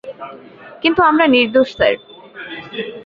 কিন্তু আমরা নির্দোষ স্যার।